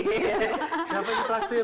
siapa yang ditaksir